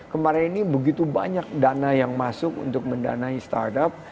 kemarin ini begitu banyak dana yang masuk untuk mendanai startup